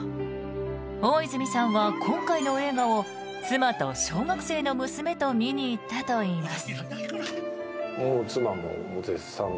大泉さんは今回の映画を妻と小学生の娘と見に行ったといいます。